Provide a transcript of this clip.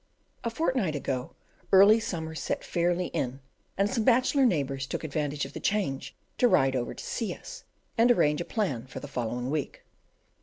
A fortnight ago early summer set fairly in, and some bachelor neighbours took advantage of the change to ride over to see us, and arrange a plan for the following week.